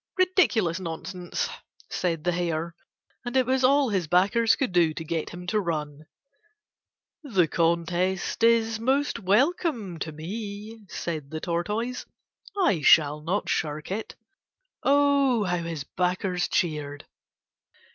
"Ridiculous nonsense!" said the Hare, and it was all his backers could do to get him to run. "The contest is most welcome to me," said the Tortoise, "I shall not shirk it." O, how his backers cheered.